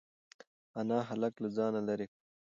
انا هلک له ځانه لرې کړ.